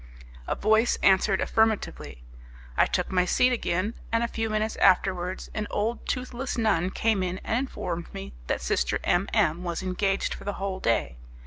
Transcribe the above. A voice answered affirmatively. I took my seat again, and a few minutes afterwards an old, toothless nun came in and informed me that Sister M M was engaged for the whole day.